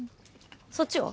そっちは？